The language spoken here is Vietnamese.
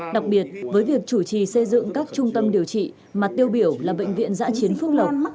đặc biệt với việc chủ trì xây dựng các trung tâm điều trị mà tiêu biểu là bệnh viện giã chiến phương lộc